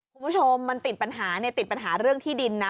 คุณผู้ชมมันติดปัญหาเนี่ยติดปัญหาเรื่องที่ดินนะ